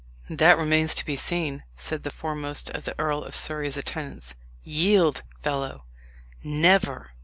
"That remains to be seen," said the foremost of the Earl of Surrey's attendants. "Yield, fellow!" "Never!"